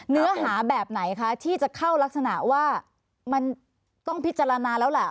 เนื้อหาแบบไหนคะที่จะเข้ารักษณะว่ามันต้องพิจารณาแล้วล่ะ